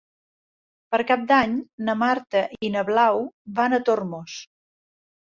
Per Cap d'Any na Marta i na Blau van a Tormos.